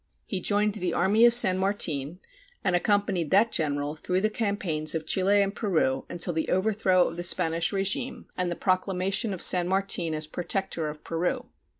He joined the army of San Martin, and accompanied that general through the campaigns of Chile and Peru until the overthrow of the Spanish régime and the proclamation of San Martin as protector of Peru.